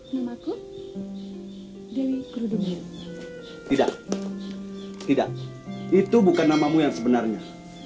namaku tidak tidak itu bukan namamu yang sebenarnya